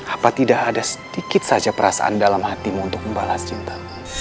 apa tidak ada sedikit saja perasaan dalam hatimu untuk membalas cinta